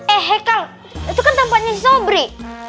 eh hekang itu kan tempatnya sobri